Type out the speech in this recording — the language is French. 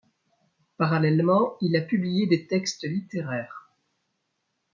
Parallèlement, il a publié des textes littéraires.